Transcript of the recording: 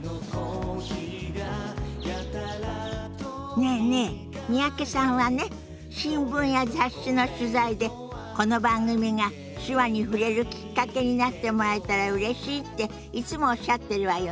ねえねえ三宅さんはね新聞や雑誌の取材でこの番組が手話に触れるきっかけになってもらえたらうれしいっていつもおっしゃってるわよね。